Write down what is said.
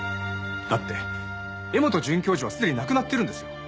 だって柄本准教授はすでに亡くなってるんですよ。